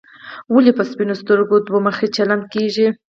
ولې په سپینو سترګو دوه مخي چلن کېږي.